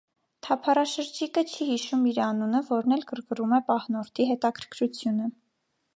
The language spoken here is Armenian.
Թափառաշրջիկը չի հիշում իր անունը, որն էլ գրգռում է պահնորդի հետաքրքրությունը։